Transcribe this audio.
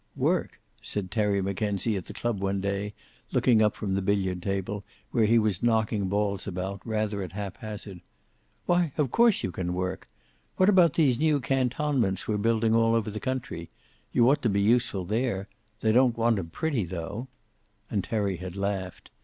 "Work?" said Terry Mackenzie, at the club one day, looking up from the billiard table, where he was knocking balls about, rather at haphazard. "Why, of course you can work. What about these new cantonments we're building all over the country? You ought to be useful there. They don't want 'em pretty, tho." And Terry had laughed.